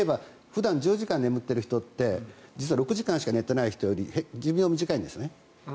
普段１０時間眠っている人って実は６時間しか寝ていない人より寿命が短いんです。